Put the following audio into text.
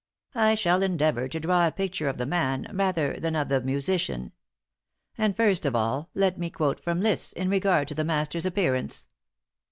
I shall endeavor to draw a picture of the man rather than of the musician. And first of all, let me quote from Liszt in regard to the master's appearance."